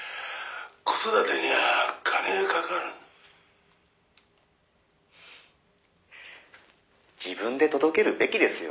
「子育てには金がかかる」「自分で届けるべきですよ」